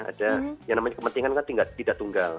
ada yang namanya kepentingan kan tidak tunggal